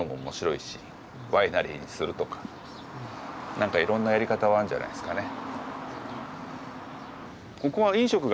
何かいろんなやり方はあんじゃないすかね。